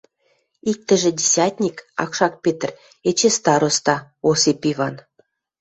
Иктӹжӹ десятник – акшак Петр, эче староста – Осип Иван.